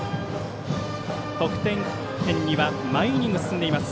得点圏に毎イニング進んでいます。